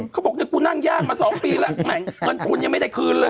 กูนั่งย่ามมาสองปีแหละแหม่งเงินทุนยังไม่ได้คืน